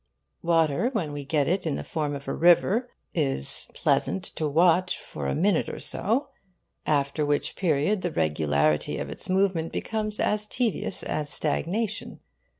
Water, when we get it in the form of a river, is pleasant to watch for a minute or so, after which period the regularity of its movement becomes as tedious as stagnation.